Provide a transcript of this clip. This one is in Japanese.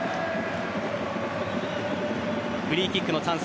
フリーキックのチャンス